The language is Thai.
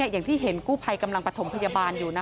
อย่างที่เห็นกู้ภัยกำลังประถมพยาบาลอยู่